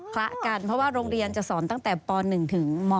ละกันเพราะว่าโรงเรียนจะสอนตั้งแต่ป๑ถึงม๔